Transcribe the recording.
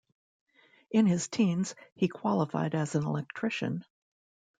In his teens, he qualified as an electrician.